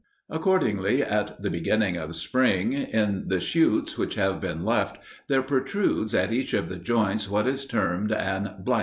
Accordingly at the beginning of spring in the shoots which have been left there protrudes at each of the joints what is termed an eye.